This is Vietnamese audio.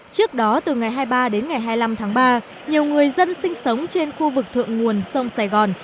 trước đó từ ngày hai mươi ba đến ngày hai mươi năm tháng ba nhiều người dân sinh sống trên khu vực thượng nguồn sông sài gòn